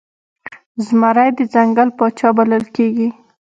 زمری د ځنګل پاچا بلل کېږي.